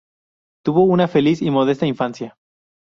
Tuvo una feliz y modesta infancia.